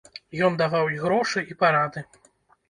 Ён даваў і грошы і парады.